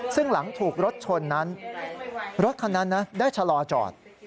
ซึ่งหลังถูกรถชนนั้นรถคันนั้นได้ชะลอจอด